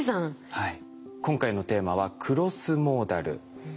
はい。